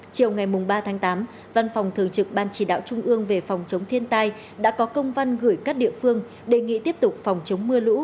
chiều ngày ba tháng tám văn phòng thường trực ban chỉ đạo trung ương về phòng chống thiên tai đã có công văn gửi các địa phương đề nghị tiếp tục phòng chống mưa lũ